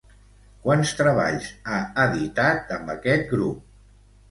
Quants treballs ha editat amb aquest grup?